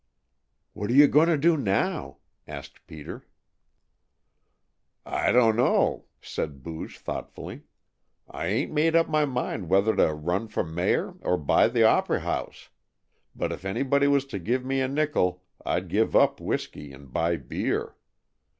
"What are you going to do now?" asked Peter. "I dunno!" said Booge thoughtfully. "I ain't made up my mind whether to run for mayor or buy the op'ry house, but if anybody was to give me a nickel I'd give up whisky and buy beer.